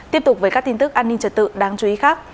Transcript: tiếp tục với các tin tức an ninh trật tự đáng chú ý khác